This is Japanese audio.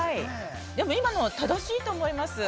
今のは正しいと思います。